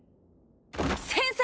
先生！